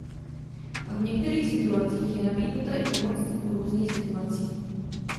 A v některých situacích je nabídnuta i pomoc u různých situací.